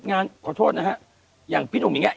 งานขอโทษนะฮะอย่างพี่ผู้หญิงอย่างเนี้ย